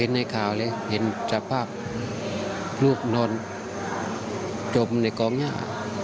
พอเห็นในข่าวเลยเห็นสภาพรูปนนอนจบในกล้องหญ้า